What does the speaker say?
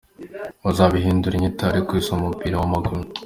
Bazabihindurire inyito ariko uyu si umupira w’amaguru.